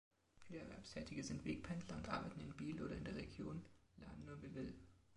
Viele Erwerbstätige sind Wegpendler und arbeiten in Biel oder in der Region La Neuveville.